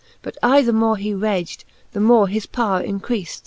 But aye the more he rag'd, the more his powre increaft.